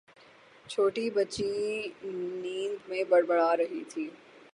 چھوٹی بچی نیند میں بڑبڑا رہی تھی